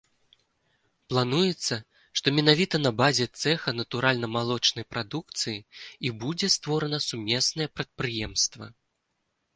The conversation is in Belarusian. Плануецца, што менавіта на базе цэха натуральнамалочнай прадукцыі і будзе створана сумеснае прадпрыемства.